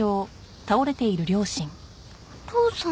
お父さん？